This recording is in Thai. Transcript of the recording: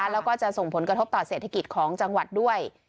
แล้วก็จะส่งผลกระทบต่อเศรษฐกิจของจังหวัดด้วย